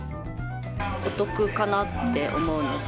お得かなって思うので。